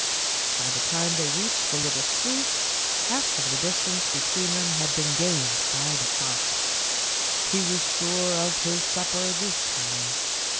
By the time they reached the little spruce, half of the distance between them had been gained by the fox. He was sure of his supper this time.